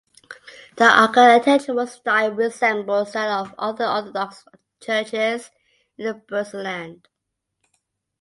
The architectural style resembles that of other Orthodox churches in the Burzenland.